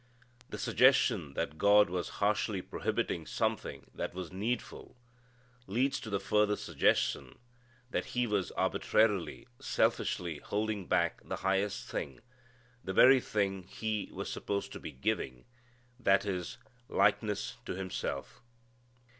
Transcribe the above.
The suggestion that God was harshly prohibiting something that was needful leads to the further suggestion that He was arbitrarily, selfishly holding back the highest thing, the very thing He was supposed to be giving, that is, likeness to Himself.